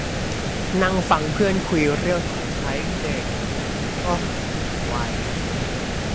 นั่งฟังเพื่อนคุยเรื่องของใช้เด็ก โอ้ วัย